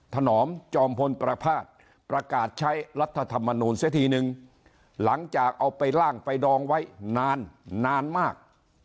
ถนอมจอมพลประพาทประกาศใช้รัฐธรรมนูลเสียทีนึงหลังจากเอาไปล่างไปดองไว้นานนานมาก